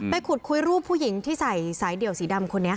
ขุดคุยรูปผู้หญิงที่ใส่สายเดี่ยวสีดำคนนี้